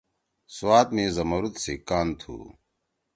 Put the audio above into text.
سوات می زمرُد سی کان تُھو۔